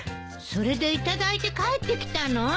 それで頂いて帰ってきたの？